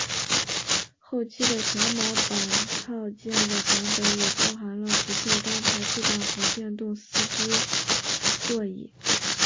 后期的小马版套件的版本也包含了不锈钢排气管和电动司机座椅。